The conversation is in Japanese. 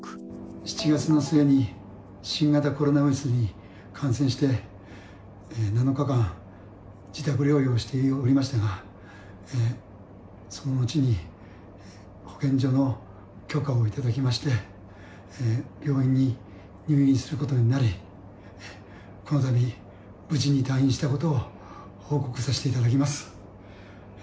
７月の末に、新型コロナウイルスに感染して、７日間、自宅療養しておりましたが、その後に、保健所の許可を頂きまして、病院に入院することになり、このたび、無事に退院したことをご報告させていただきます。